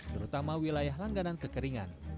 terutama wilayah langganan kekeringan